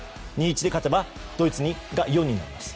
２−１で勝てばドイツが４になります。